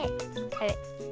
あれ？